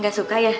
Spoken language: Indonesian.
gak suka ya